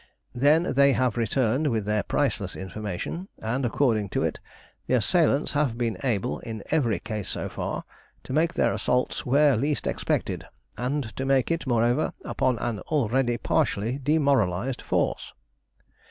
Then they have returned with their priceless information, and, according to it, the assailants have been able, in every case so far, to make their assault where least expected, and to make it, moreover, upon an already partially demoralised force.